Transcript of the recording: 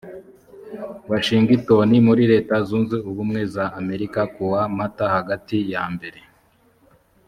washingitoni muri leta zunze ubumwe za amerika kuwa mata hagati yambere